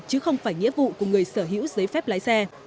chứ không phải nghĩa vụ của người sở hữu giấy phép lái xe